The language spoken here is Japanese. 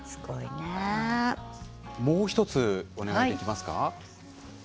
もう１つお願いできますか。